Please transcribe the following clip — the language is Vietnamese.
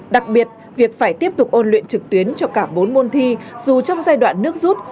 đặc biệt việc phải tiếp tục ôn luyện trực tuyến cho cả bốn môn thi dù trong giai đoạn nước rút